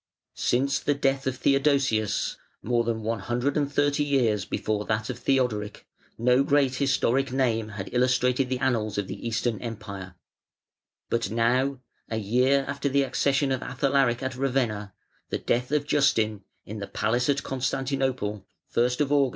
Since the death of Theodosius (more than one hundred and thirty years before that of Theodoric) no great historic name had illustrated the annals of the Eastern Empire, But now, a year after the accession of Athalaric at Ravenna, the death of Justin, in the palace at Constantinople, (1st Aug.